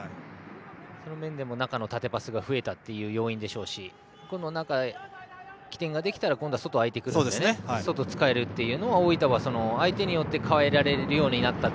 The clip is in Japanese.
そういう面でも中の縦パスが増えたという要因でしょうし中に今度は起点ができたら今度は外が開いてくるので外を使えるというのは大分は相手によって変えられるようになりましたね。